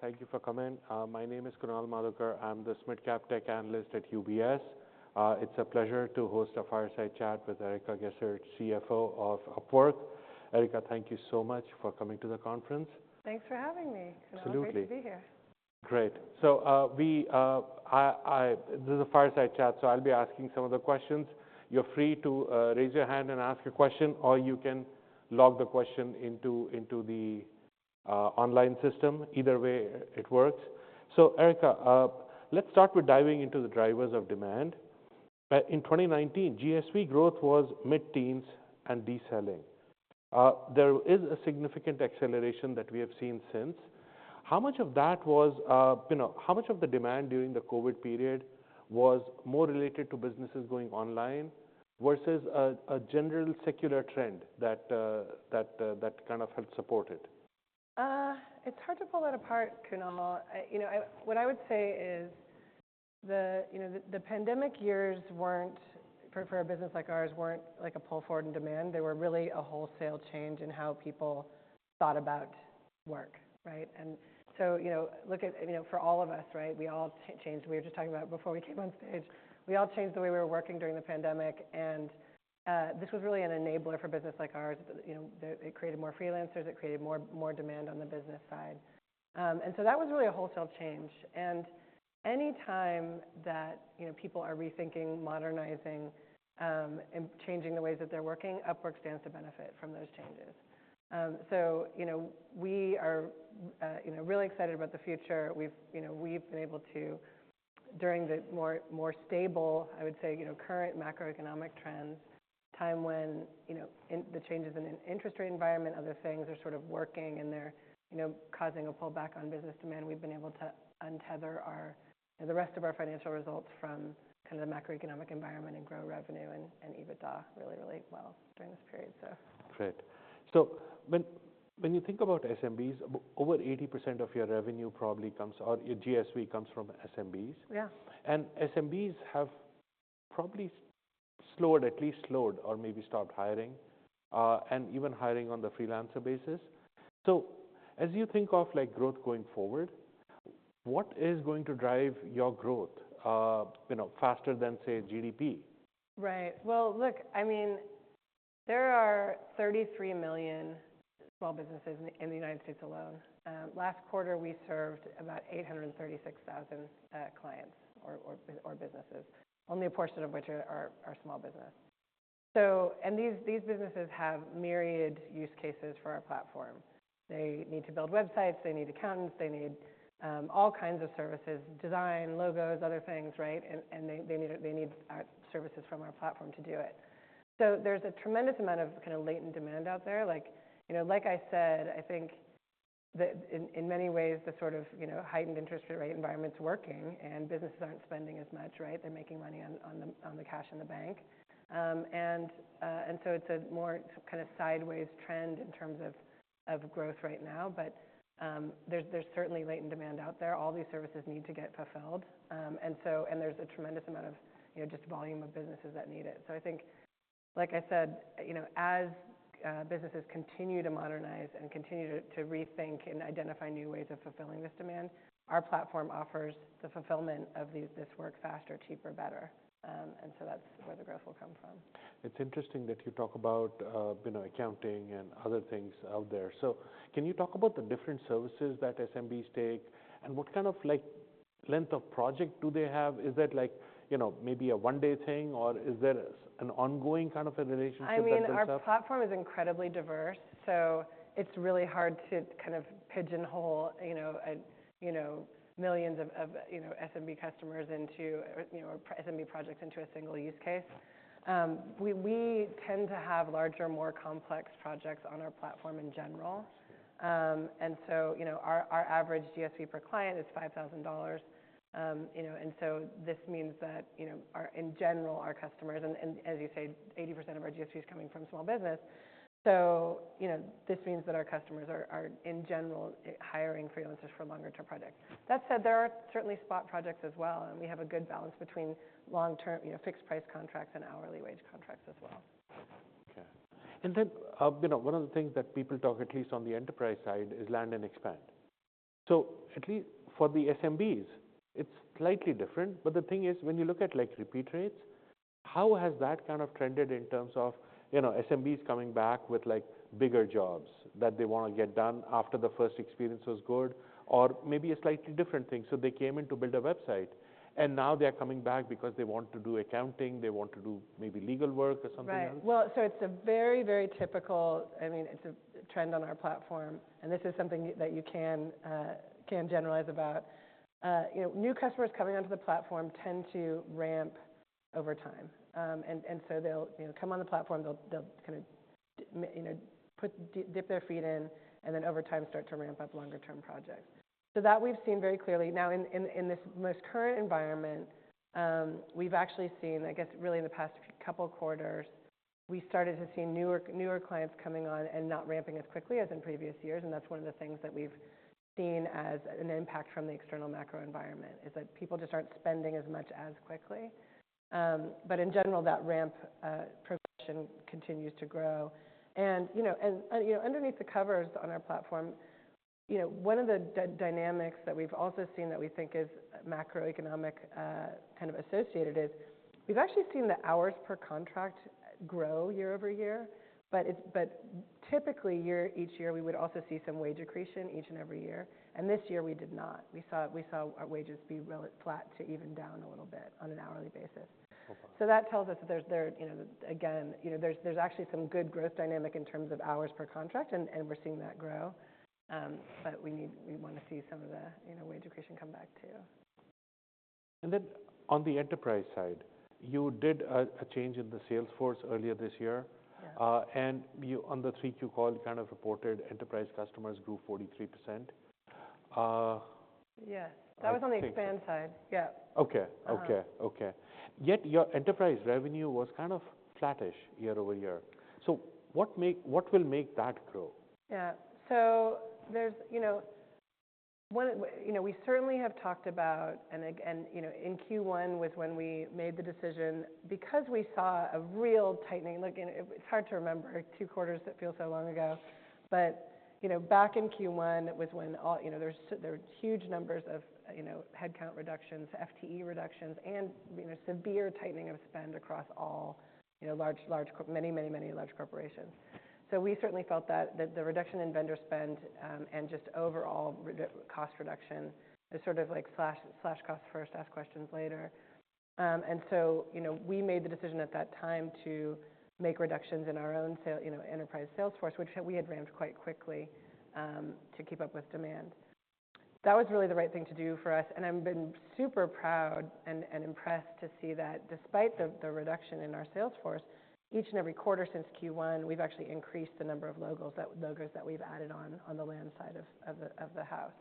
Thank you for coming. My name is Kunal Madhukar. I'm the SMID Cap tech analyst at UBS. It's a pleasure to host a fireside chat with Erica Gessert, CFO of Upwork. Erica, thank you so much for coming to the conference. Thanks for having me- Absolutely. Great to be here. Great. This is a fireside chat, so I'll be asking some of the questions. You're free to raise your hand and ask a question, or you can log the question into the online system. Either way, it works. So, Erica, let's start with diving into the drivers of demand. In 2019, GSV growth was mid-teens and decelerating. There is a significant acceleration that we have seen since. How much of that was, you know... How much of the demand during the COVID period was more related to businesses going online versus a general secular trend that kind of helped support it? It's hard to pull that apart, Kunal. You know, what I would say is the, you know, the pandemic years weren't, for a business like ours, weren't like a pull forward in demand. They were really a wholesale change in how people thought about work, right? And so, you know, look at, you know, for all of us, right, we all changed. We were just talking about it before we came on stage. We all changed the way we were working during the pandemic, and this was really an enabler for a business like ours. You know, it created more freelancers, it created more demand on the business side. And so that was really a wholesale change. Any time that, you know, people are rethinking, modernizing, and changing the ways that they're working, Upwork stands to benefit from those changes. So, you know, we are, you know, really excited about the future. We've, you know, we've been able to, during the more stable, I would say, you know, current macroeconomic trends, time when, you know, in the changes in an interest rate environment, other things are sort of working and they're, you know, causing a pullback on business demand, we've been able to untether our, you know, the rest of our financial results from kind of the macroeconomic environment and grow revenue and EBITDA really, really well during this period, so. Great. So when you think about SMBs, over 80% of your revenue probably comes, or your GSV comes from SMBs. Yeah. SMBs have probably slowed, at least slowed or maybe stopped hiring, and even hiring on the freelancer basis. As you think of, like, growth going forward, what is going to drive your growth, you know, faster than, say, GDP? Right. Well, look, I mean, there are 33 million small businesses in the United States alone. Last quarter, we served about 836,000 clients or businesses, only a portion of which are small business. So, and these businesses have myriad use cases for our platform. They need to build websites, they need accountants, they need all kinds of services, design, logos, other things, right? And they need our services from our platform to do it. So there's a tremendous amount of kind of latent demand out there. Like, you know, like I said, I think that in many ways, the sort of, you know, heightened interest rate environment is working and businesses aren't spending as much, right? They're making money on the cash in the bank. And so it's a more kind of sideways trend in terms of growth right now. But there's certainly latent demand out there. All these services need to get fulfilled. And there's a tremendous amount of, you know, just volume of businesses that need it. So I think, like I said, you know, as businesses continue to modernize and continue to rethink and identify new ways of fulfilling this demand, our platform offers the fulfillment of these- this work faster, cheaper, better. And so that's where the growth will come from. It's interesting that you talk about, you know, accounting and other things out there. So can you talk about the different services that SMBs take, and what kind of, like, length of project do they have? Is that like, you know, maybe a one-day thing, or is there an ongoing kind of a relationship that builds up? I mean, our platform is incredibly diverse, so it's really hard to kind of pigeonhole, you know, millions of you know, SMB customers into, or, you know, SMB projects into a single use case. We tend to have larger, more complex projects on our platform in general. Yeah. And so, you know, our average GSV per client is $5,000. You know, and so this means that, you know, in general, our customers, and as you say, 80% of our GSV is coming from small business. So, you know, this means that our customers are, in general, hiring freelancers for longer-term projects. That said, there are certainly spot projects as well, and we have a good balance between long-term, you know, fixed-price contracts and hourly wage contracts as well. Okay. And then, you know, one of the things that people talk, at least on the enterprise side, is land and expand. So at least for the SMBs, it's slightly different, but the thing is, when you look at, like, repeat rates, how has that kind of trended in terms of, you know, SMBs coming back with, like, bigger jobs that they want to get done after the first experience was good, or maybe a slightly different thing? So they came in to build a website, and now they are coming back because they want to do accounting, they want to do maybe legal work or something else. Right. Well, so it's a very, very typical. I mean, it's a trend on our platform, and this is something you, that you can, can generalize about. You know, new customers coming onto the platform tend to ramp over time. And so they'll, you know, come on the platform, they'll, they'll kind of dip their feet in, and then over time, start to ramp up longer-term projects. So that we've seen very clearly. Now, in this most current environment, we've actually seen, I guess, really in the past couple quarters, we started to see newer, newer clients coming on and not ramping as quickly as in previous years, and that's one of the things that we've seen as an impact from the external macro environment, is that people just aren't spending as much as quickly. But in general, that ramp progression continues to grow. And you know, underneath the covers on our platform, you know, one of the dynamics that we've also seen that we think is macroeconomic kind of associated is, we've actually seen the hours per contract grow year-over-year, but typically, each year, we would also see some wage accretion each and every year, and this year we did not. We saw our wages be relatively flat to even down a little bit on an hourly basis. Okay. So that tells us that there's. You know, again, you know, there's actually some good growth dynamic in terms of hours per contract, and we're seeing that grow. But we need, we want to see some of the, you know, wage accretion come back, too. And then on the enterprise side, you did a change in the sales force earlier this year. Yeah. and you, on the 3Q call, kind of reported enterprise customers grew 43%. Yes. I think- That was on the expand side. Yeah. Okay. Uh. Okay, okay. Yet your enterprise revenue was kind of flattish year-over-year. So what will make that grow? Yeah. So there's, you know, one of, you know, we certainly have talked about, and and, you know, in Q1 was when we made the decision, because we saw a real tightening. Look, and it, it's hard to remember two quarters that feel so long ago, but, you know, back in Q1 was when all, you know, there were huge numbers of, you know, headcount reductions, FTE reductions, and, you know, severe tightening of spend across all, you know, large, many, many, many large corporations. So we certainly felt that, that the reduction in vendor spend, and just overall cost reduction is sort of like slash, slash costs first, ask questions later. And so, you know, we made the decision at that time to make reductions in our own sales, you know, enterprise sales force, which we had ramped quite quickly, to keep up with demand. That was really the right thing to do for us, and I've been super proud and impressed to see that despite the reduction in our sales force, each and every quarter since Q1, we've actually increased the number of logos that—logos that we've added on the land side of the house.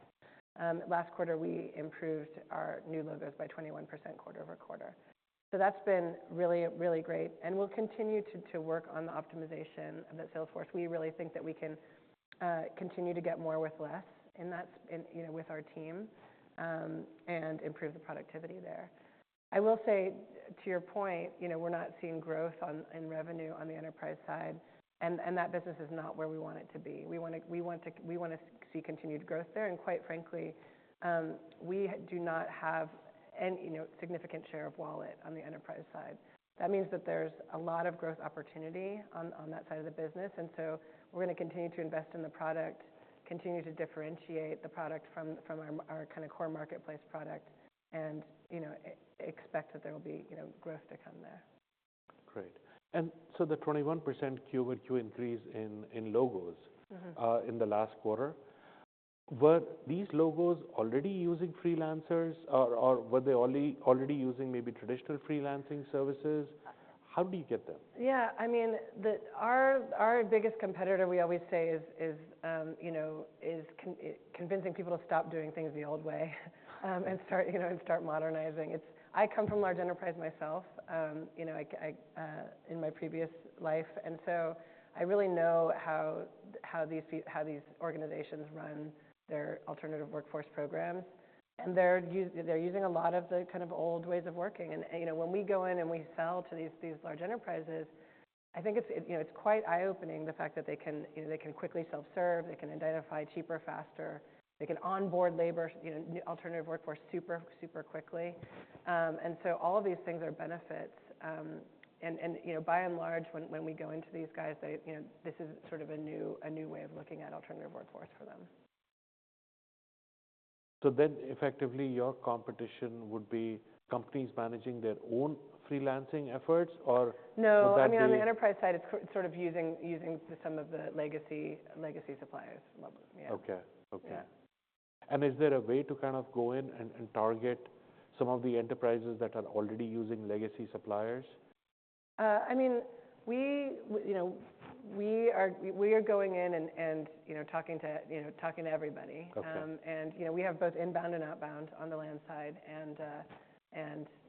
Last quarter, we improved our new logos by 21% quarter-over-quarter. So that's been really, really great, and we'll continue to work on the optimization of that sales force. We really think that we can continue to get more with less, and that's, and, you know, with our team, and improve the productivity there. I will say, to your point, you know, we're not seeing growth on, in revenue on the enterprise side, and, and that business is not where we want it to be. We wanna, we want to- we wanna see continued growth there, and quite frankly, we do not have any, you know, significant share of wallet on the enterprise side. That means that there's a lot of growth opportunity on, on that side of the business, and so we're gonna continue to invest in the product, continue to differentiate the product from, from our, our kinda core marketplace product, and, you know, expect that there will be, you know, growth to come there. Great. And so the 21% Q-over-Q increase in logos- Mm-hmm In the last quarter, were these logos already using freelancers, or were they only already using maybe traditional freelancing services? How do you get them? Yeah, I mean, our biggest competitor, we always say, is, you know, convincing people to stop doing things the old way, and start, you know, and start modernizing. It's. I come from large enterprise myself, you know, like, I in my previous life, and so I really know how these organizations run their alternative workforce programs. And they're using a lot of the kind of old ways of working, and, you know, when we go in and we sell to these, these large enterprises, I think it's, you know, it's quite eye-opening, the fact that they can, you know, they can quickly self-serve, they can identify cheaper, faster, they can onboard labor, you know, alternative workforce super, super quickly. And so all of these things are benefits. And you know, by and large, when we go into these guys, they, you know, this is sort of a new way of looking at alternative workforce for them. So then, effectively, your competition would be companies managing their own freelancing efforts, or would that be- No, I mean, on the enterprise side, it's sort of using some of the legacy suppliers, yeah. Okay, okay. Yeah. Is there a way to kind of go in and target some of the enterprises that are already using legacy suppliers? I mean, you know, we are, we are going in and, and, you know, talking to, you know, talking to everybody. Okay. You know, we have both inbound and outbound on the land side, and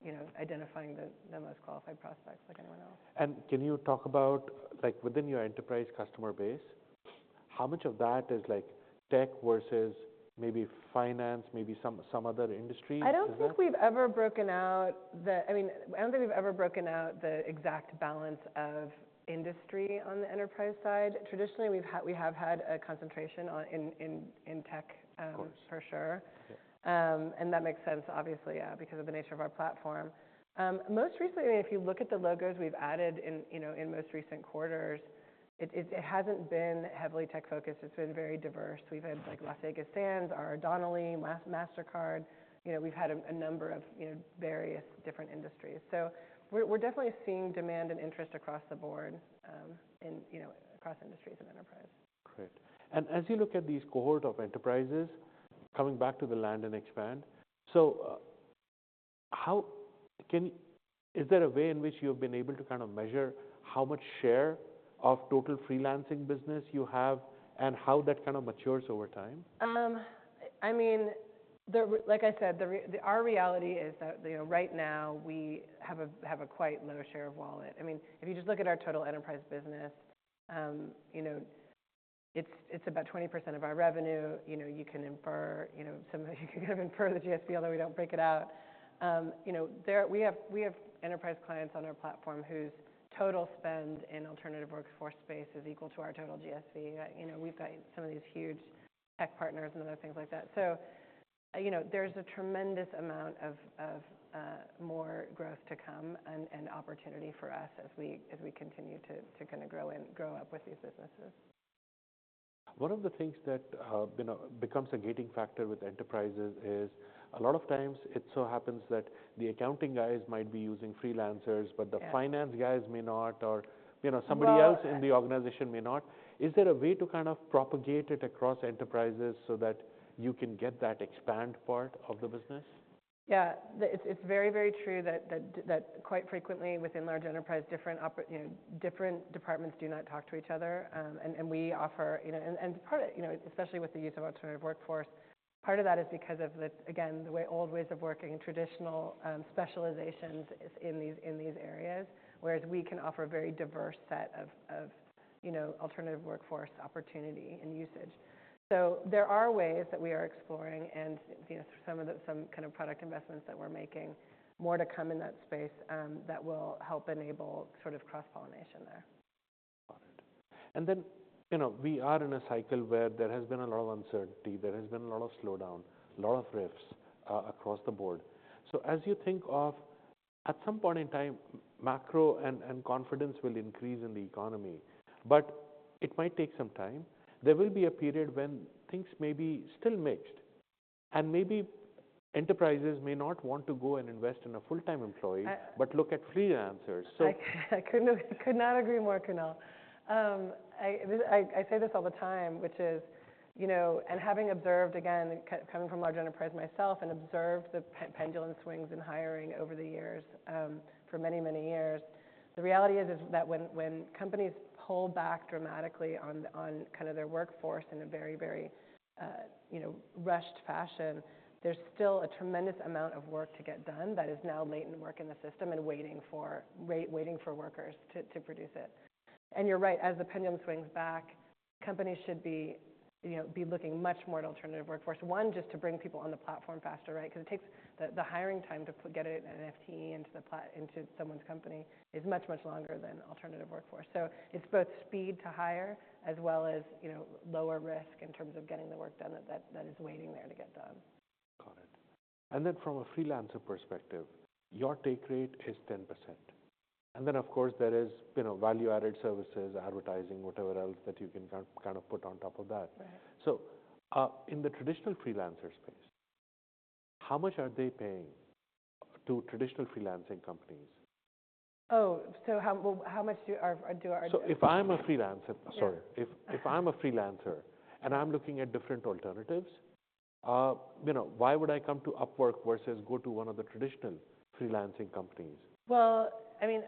you know, identifying the most qualified prospects like anyone else. Can you talk about, like, within your enterprise customer base, how much of that is, like, tech versus maybe finance, maybe some other industry? Is there- I mean, I don't think we've ever broken out the exact balance of industry on the enterprise side. Traditionally, we've had a concentration on in tech. Of course... for sure. Yeah. And that makes sense, obviously, because of the nature of our platform. Most recently, if you look at the logos we've added in, you know, in most recent quarters, it hasn't been heavily tech focused. It's been very diverse. We've had, like, Las Vegas Sands, R.R. Donnelley, Mastercard. You know, we've had a number of, you know, various different industries. So we're definitely seeing demand and interest across the board, in, you know, across industries and enterprise. Great. And as you look at these cohort of enterprises, coming back to the land and expand, so, is there a way in which you've been able to kind of measure how much share of total freelancing business you have and how that kind of matures over time? I mean, our reality is that, you know, right now, we have a quite low share of wallet. I mean, if you just look at our total enterprise business, you know, it's about 20% of our revenue. You know, you can infer, you know, somebody you can kind of infer the GSV, although we don't break it out. You know, we have enterprise clients on our platform whose total spend in alternative workforce space is equal to our total GSV. You know, we've got some of these huge tech partners and other things like that. So, you know, there's a tremendous amount of more growth to come and opportunity for us as we continue to kinda grow and grow up with these businesses. One of the things that, you know, becomes a gating factor with enterprises is, a lot of times it so happens that the accounting guys might be using freelancers- Yeah. but the finance guys may not, or, you know- Well- Somebody else in the organization may not. Is there a way to kind of propagate it across enterprises so that you can get that expand part of the business? Yeah. It's very true that quite frequently within large enterprise, different departments do not talk to each other, and we offer. You know, part of it, especially with the use of alternative workforce, part of that is because of, again, the old ways of working traditional specializations in these areas, whereas we can offer a very diverse set of alternative workforce opportunity and usage. So there are ways that we are exploring, you know, some of the product investments that we're making, more to come in that space, that will help enable sort of cross-pollination there. Got it. And then, you know, we are in a cycle where there has been a lot of uncertainty, there has been a lot of slowdown, a lot of risks across the board. So as you think of at some point in time, macro and confidence will increase in the economy, but it might take some time. There will be a period when things may be still mixed, and maybe enterprises may not want to go and invest in a full-time employee. Uh- But look at freelancers. So- I could not agree more, Kunal. I say this all the time, which is, you know, and having observed, again, coming from large enterprise myself and observed the pendulum swings in hiring over the years, for many, many years, the reality is that when companies pull back dramatically on kind of their workforce in a very, very, you know, rushed fashion, there's still a tremendous amount of work to get done that is now latent work in the system and waiting for workers to produce it. And you're right, as the pendulum swings back, companies should be, you know, looking much more at alternative workforce. One, just to bring people on the platform faster, right? Because it takes... The hiring time to get an FTE into someone's company is much, much longer than alternative workforce. So it's both speed to hire as well as, you know, lower risk in terms of getting the work done that is waiting there to get done. Got it. And then from a freelancer perspective, your Take Rate is 10%. And then, of course, there is, you know, value-added services, advertising, whatever else that you can kind of put on top of that. Right. So, in the traditional freelancer space, how much are they paying to traditional freelancing companies? Oh, so, well, how much do our- So if I'm a freelancer- Yeah. Sorry. If I'm a freelancer and I'm looking at different alternatives, you know, why would I come to Upwork versus go to one of the traditional freelancing companies? Well, I mean,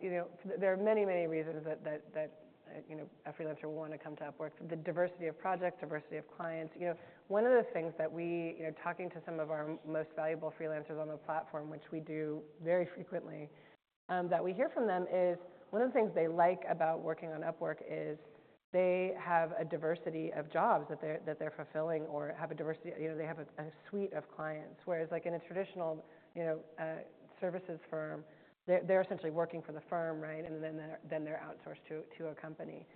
you know, there are many, many reasons that you know, a freelancer would want to come to Upwork: the diversity of projects, diversity of clients. You know, one of the things that we... You know, talking to some of our most valuable freelancers on the platform, which we do very frequently, that we hear from them is, one of the things they like about working on Upwork is they have a diversity of jobs that they're fulfilling or have a diversity... you know, they have a suite of clients. Whereas like in a traditional, you know, services firm, they're essentially working for the firm, right? And then they're outsourced to a company.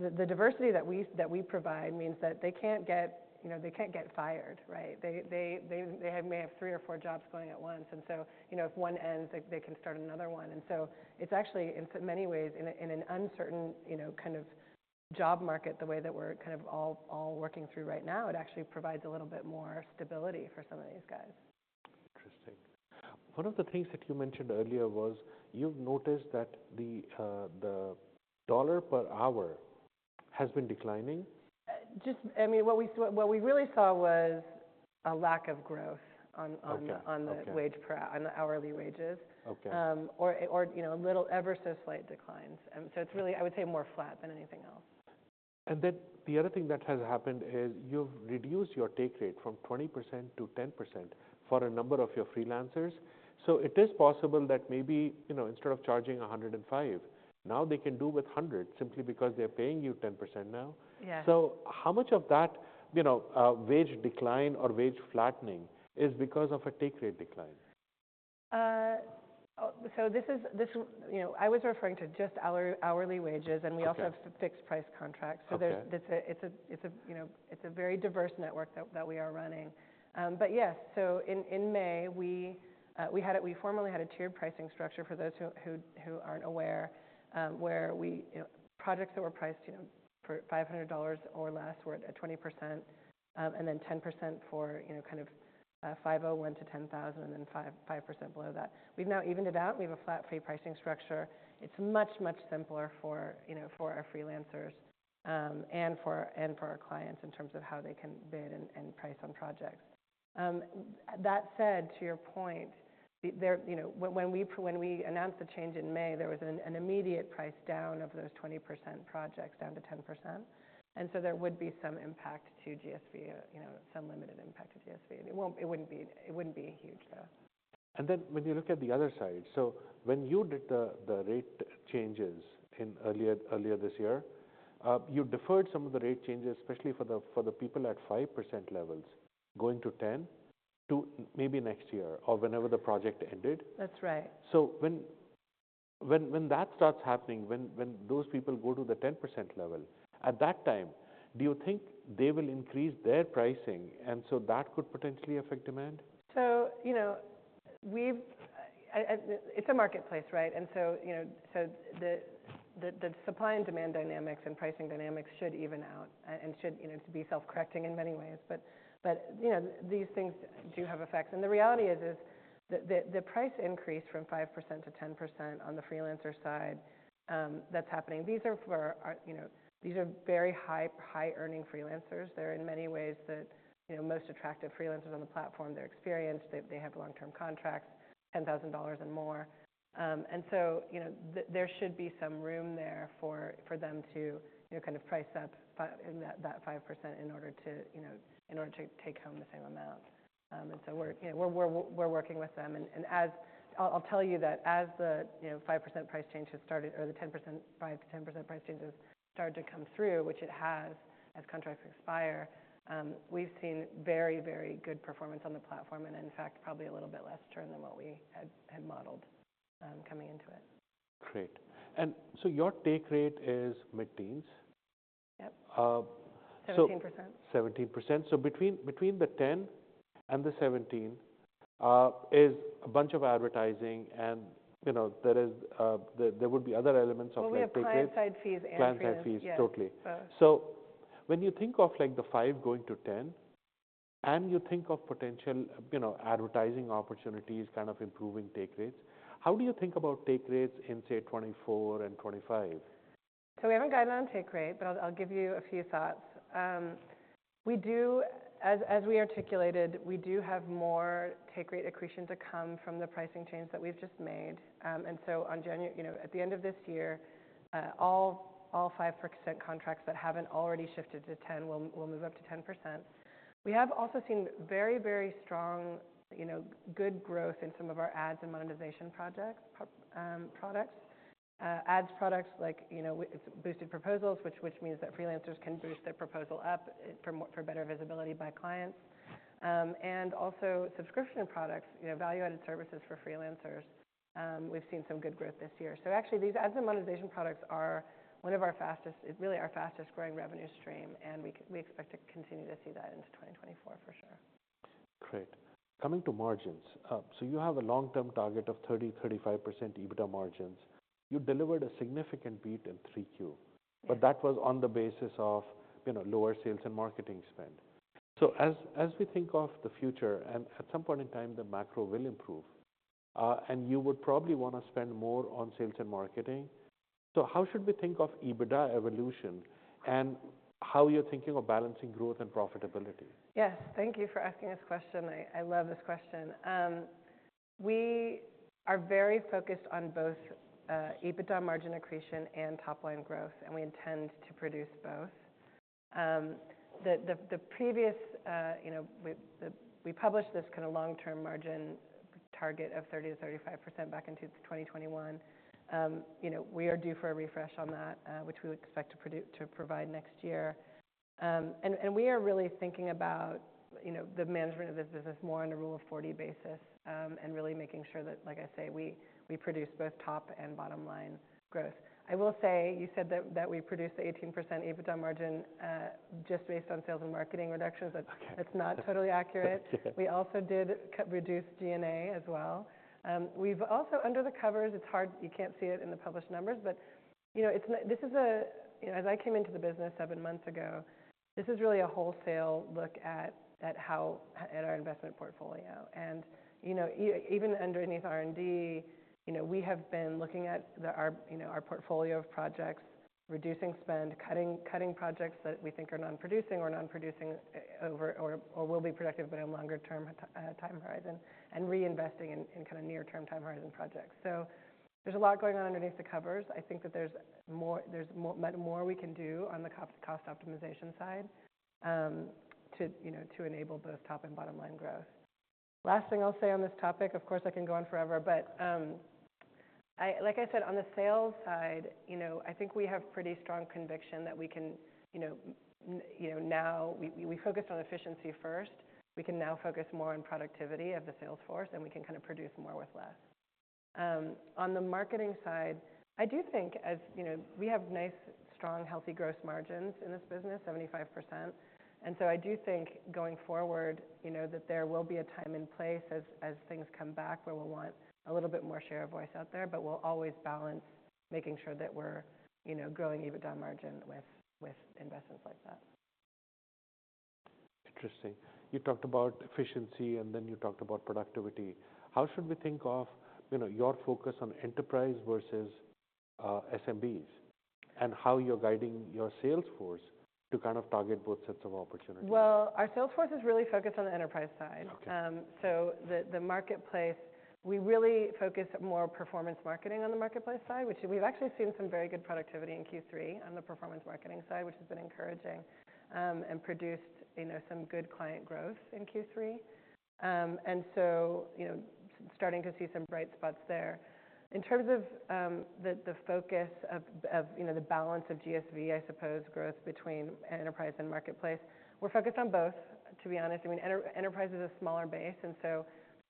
The diversity that we provide means that they can't get... you know, they can't get fired, right? They may have three or four jobs going at once, and so, you know, if one ends, they can start another one. And so it's actually, in many ways, in an uncertain, you know, kind of job market, the way that we're kind of all working through right now, it actually provides a little bit more stability for some of these guys. Interesting. One of the things that you mentioned earlier was, you've noticed that the, the dollar per hour has been declining? Just... I mean, what we saw, what we really saw was a lack of growth on, on- Okay, okay... on the wage per hour, on the hourly wages. Okay. You know, little ever so slight declines. It's really, I would say, more flat than anything else. And then the other thing that has happened is, you've reduced your take rate from 20% to 10% for a number of your freelancers. So it is possible that maybe, you know, instead of charging $105, now they can do with $100, simply because they're paying you 10% now. Yeah. How much of that, you know, wage decline or wage flattening is because of a take rate decline? Oh, so this, you know, I was referring to just hourly wages. Okay... and we also have fixed price contracts. Okay. So there's, it's a very diverse network that we are running. But yes, so in May, we formerly had a tiered pricing structure for those who aren't aware, where we, you know, projects that were priced, you know, for $500 or less were at a 20%, and then 10% for, you know, kind of, $501-$10,000, and then 5% below that. We've now evened it out. We have a flat fee pricing structure. It's much, much simpler for, you know, for our freelancers, and for our clients in terms of how they can bid and price on projects. That said, to your point, there you know when we announced the change in May, there was an immediate price down of those 20% projects down to 10%, and so there would be some impact to GSV, you know, some limited impact to GSV. It wouldn't be huge, though.... And then when you look at the other side, so when you did the rate changes in earlier this year, you deferred some of the rate changes, especially for the people at 5% levels, going to 10, to maybe next year or whenever the project ended? That's right. So when that starts happening, when those people go to the 10% level, at that time, do you think they will increase their pricing and so that could potentially affect demand? So, you know, it's a marketplace, right? And so, you know, the supply and demand dynamics and pricing dynamics should even out and should, you know, be self-correcting in many ways. But, you know, these things do have effects. And the reality is that the price increase from 5% to 10% on the freelancer side, that's happening. These are for our, you know. These are very high-earning freelancers. They're in many ways the, you know, most attractive freelancers on the platform. They're experienced, they have long-term contracts, $10,000 and more. And so, you know, there should be some room there for them to, you know, kind of price up in that 5% in order to, you know, in order to take home the same amount. And so we're, you know, working with them. And as I'll tell you that as the, you know, 5% price change has started, or the 10%, 5%-10% price changes start to come through, which it has, as contracts expire, we've seen very, very good performance on the platform, and in fact, probably a little bit less churn than what we had modeled, coming into it. Great. And so your take rate is mid-teens? Yep. Uh, so- 17% 17%. So between the 10% and the 17% is a bunch of advertising and, you know, there is, there would be other elements of that take rate. Well, we have client-side fees and- Client-side fees, totally. Yeah, so. So when you think of, like, the five going to 10, and you think of potential, you know, advertising opportunities kind of improving take rates, how do you think about take rates in, say, 2024 and 2025? So we have a guideline on take rate, but I'll give you a few thoughts. We do—as we articulated, we do have more take rate accretion to come from the pricing changes that we've just made. And so on January—you know, at the end of this year, all 5% contracts that haven't already shifted to 10 will move up to 10%. We have also seen very strong, you know, good growth in some of our ads and monetization products. Ads products like, you know, it's Boosted Proposals, which means that freelancers can boost their proposal up for better visibility by clients. And also subscription products, you know, value-added services for freelancers, we've seen some good growth this year. So actually, these ads and monetization products are one of our fastest, really, our fastest-growing revenue stream, and we expect to continue to see that into 2024, for sure. Great. Coming to margins. So you have a long-term target of 30%-35% EBITDA margins. You delivered a significant beat in 3Q- Yeah... but that was on the basis of, you know, lower sales and marketing spend. So as we think of the future, and at some point in time, the macro will improve, and you would probably wanna spend more on sales and marketing. So how should we think of EBITDA evolution, and how you're thinking of balancing growth and profitability? Yes. Thank you for asking this question. I, I love this question. We are very focused on both, EBITDA margin accretion and top-line growth, and we intend to produce both. The previous, you know, we published this kind of long-term margin target of 30%-35% back in 2021. You know, we are due for a refresh on that, which we would expect to provide next year. And we are really thinking about, you know, the management of this business more on a Rule of 40 basis, and really making sure that, like I say, we produce both top and bottom-line growth. I will say, you said that we produced an 18% EBITDA margin, just based on sales and marketing reductions. Okay That's not totally accurate. We also did reduce G&A as well. We've also, under the covers, it's hard. You can't see it in the published numbers, but, you know, it's not—this is a. You know, as I came into the business seven months ago, this is really a wholesale look at how—at our investment portfolio. And, you know, even underneath R&D, you know, we have been looking at our, you know, our portfolio of projects, reducing spend, cutting, cutting projects that we think are non-producing or non-producing over or or will be productive, but in longer term time horizon, and reinvesting in kind of near-term time horizon projects. So there's a lot going on underneath the covers. I think that there's more, there's more we can do on the cost optimization side, you know, to enable both top and bottom-line growth. Last thing I'll say on this topic, of course, I can go on forever, but. Like I said, on the sales side, you know, I think we have pretty strong conviction that we can, you know, now we, we focused on efficiency first. We can now focus more on productivity of the sales force, and we can kind of produce more with less. On the marketing side, I do think, as you know, we have nice, strong, healthy gross margins in this business, 75%. And so I do think going forward, you know, that there will be a time and place as things come back, where we'll want a little bit more share of voice out there, but we'll always balance making sure that we're, you know, growing EBITDA margin with investments like that. Interesting. You talked about efficiency, and then you talked about productivity. How should we think of, you know, your focus on enterprise versus SMBs, and how you're guiding your sales force to kind of target both sets of opportunities? Well, our sales force is really focused on the enterprise side. Okay. So the marketplace, we really focus more performance marketing on the marketplace side, which we've actually seen some very good productivity in Q3 on the performance marketing side, which has been encouraging, and produced, you know, some good client growth in Q3. And so, you know, starting to see some bright spots there. In terms of the focus of you know, the balance of GSV, I suppose growth between enterprise and marketplace, we're focused on both, to be honest. I mean, enterprise is a smaller base, and so...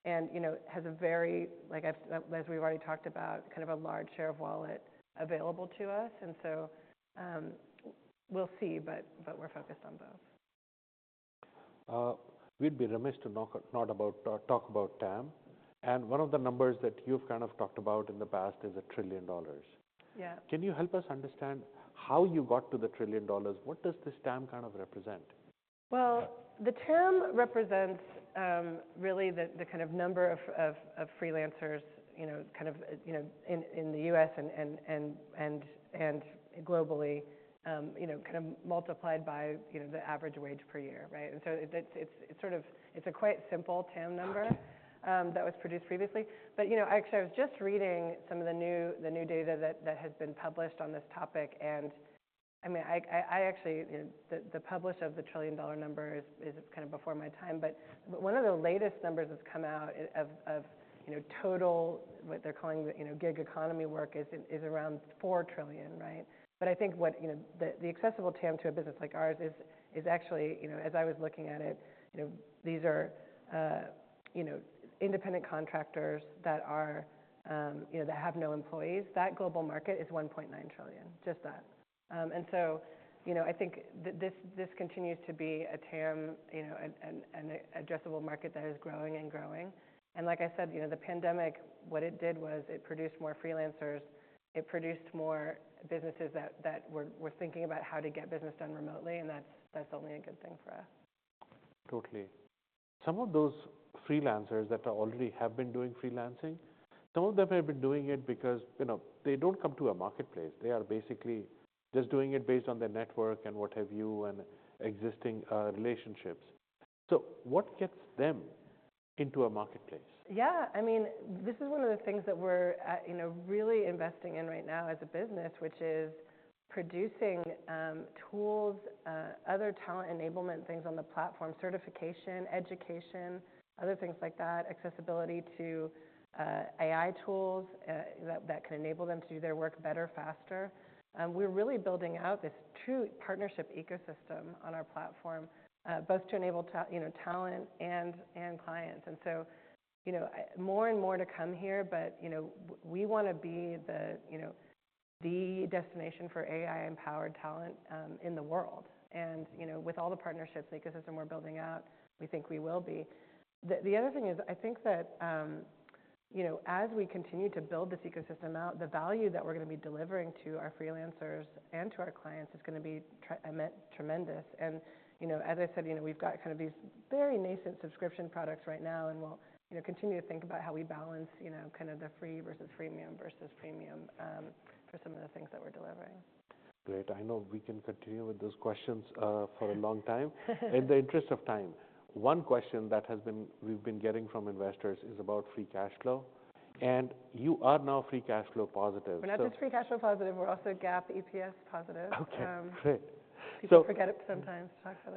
And, you know, has a very, like I've as we've already talked about, kind of a large share of wallet available to us, and so, we'll see, but we're focused on both. We'd be remiss not to talk about TAM, and one of the numbers that you've kind of talked about in the past is $1 trillion. Yeah. Can you help us understand how you got to the $1 trillion? What does this TAM kind of represent? Well, the TAM represents really the kind of number of freelancers, you know, kind of, you know, in the U.S. and globally, you know, kind of multiplied by you know, the average wage per year, right? And so it's sort of a quite simple TAM number- Okay ... that was produced previously. But, you know, actually, I was just reading some of the new data that has been published on this topic, and, I mean, actually, the publish of the trillion-dollar number is kind of before my time. But one of the latest numbers that's come out of, you know, total, what they're calling the, you know, gig economy work is around $4 trillion, right? But I think what, you know, the accessible TAM to a business like ours is actually, you know, as I was looking at it, you know, these are, you know, independent contractors that are, you know, that have no employees. That global market is $1.9 trillion, just that. So, you know, I think this continues to be a TAM, you know, an addressable market that is growing and growing. Like I said, you know, the pandemic, what it did was it produced more freelancers, it produced more businesses that were thinking about how to get business done remotely, and that's only a good thing for us. Totally. Some of those freelancers that already have been doing freelancing, some of them have been doing it because, you know, they don't come to a marketplace. They are basically just doing it based on their network and what have you, and existing relationships. So what gets them into a marketplace? Yeah, I mean, this is one of the things that we're at, you know, really investing in right now as a business, which is producing, tools, other talent enablement things on the platform, certification, education, other things like that, accessibility to, AI tools, that can enable them to do their work better, faster. We're really building out this true partnership ecosystem on our platform, both to enable you know, talent and clients. And so, you know, more and more to come here, but, you know, we wanna be the, you know, the destination for AI-empowered talent, in the world. And, you know, with all the partnerships ecosystem we're building out, we think we will be. The other thing is, I think that, you know, as we continue to build this ecosystem out, the value that we're gonna be delivering to our freelancers and to our clients is gonna be tremendous. As I said, you know, we've got kind of these very nascent subscription products right now, and we'll, you know, continue to think about how we balance, you know, kind of the free, versus freemium, versus premium, for some of the things that we're delivering. Great. I know we can continue with those questions for a long time. In the interest of time, one question that has been, we've been getting from investors is about free cash flow, and you are now free cash flow positive. So- We're not just free cash flow positive, we're also GAAP EPS positive. Okay, great. People forget it sometimes.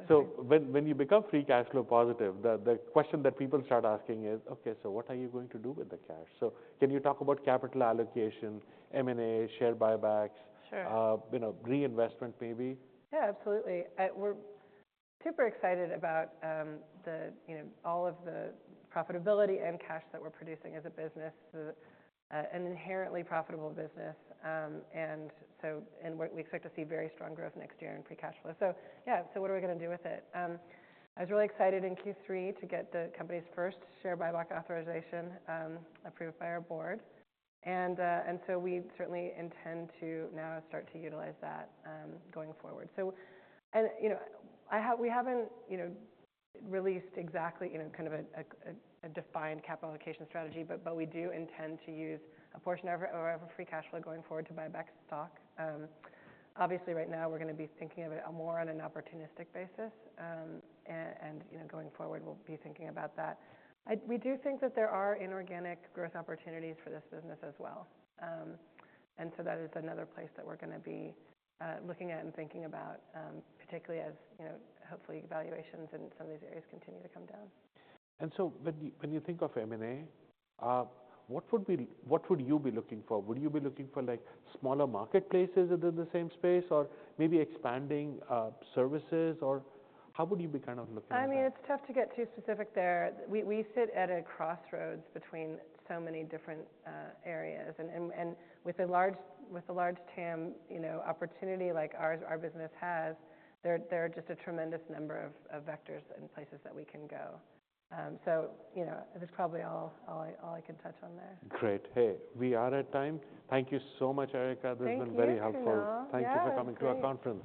So when you become free cash flow positive, the question that people start asking is: Okay, so what are you going to do with the cash? So can you talk about capital allocation, M&A, share buybacks? Sure. You know, reinvestment, maybe? Yeah, absolutely. We're super excited about the, you know, all of the profitability and cash that we're producing as a business, an inherently profitable business. We expect to see very strong growth next year in free cash flow. So yeah, so what are we gonna do with it? I was really excited in Q3 to get the company's first share buyback authorization approved by our board. And so we certainly intend to now start to utilize that going forward. And, you know, we haven't released exactly, you know, kind of a defined capital allocation strategy, but we do intend to use a portion of our free cash flow going forward to buy back stock. Obviously, right now, we're gonna be thinking of it a more on an opportunistic basis. And, you know, going forward, we'll be thinking about that. We do think that there are inorganic growth opportunities for this business as well. And so that is another place that we're gonna be looking at and thinking about, particularly as, you know, hopefully, valuations in some of these areas continue to come down. So when you think of M&A, what would you be looking for? Would you be looking for, like, smaller marketplaces within the same space, or maybe expanding services, or how would you be kind of looking at that? I mean, it's tough to get too specific there. We sit at a crossroads between so many different areas, and with a large TAM, you know, opportunity like ours, our business has, there are just a tremendous number of vectors and places that we can go. So, you know, that's probably all I can touch on there. Great. Hey, we are at time. Thank you so much, Erica. Thank you, Kunal. This has been very helpful. Yeah, it was great. Thank you for coming to our conference.